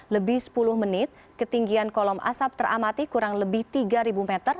lebih sepuluh menit ketinggian kolom asap teramati kurang lebih tiga meter